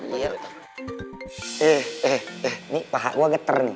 eh eh eh nih paha gua geter nih